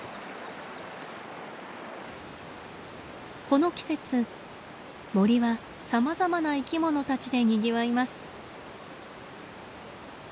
この季節森はさまざまな生きものたちでにぎわいます。